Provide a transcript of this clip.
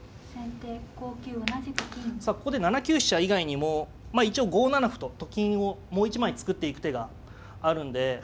さあここで７九飛車以外にも一応５七歩とと金をもう一枚作っていく手があるんで。